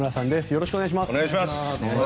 よろしくお願いします。